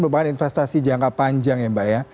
perubahan investasi jangka panjang ya mbak ya